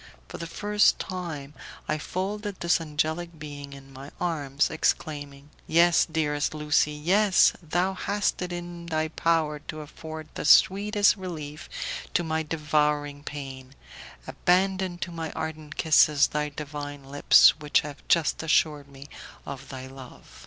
For the first time I folded this angelic being in my arms, exclaiming, "Yes, dearest Lucie, yes, thou hast it in thy power to afford the sweetest relief to my devouring pain; abandon to my ardent kisses thy divine lips which have just assured me of thy love."